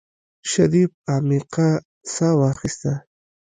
شريف عميقه سا واخيسته.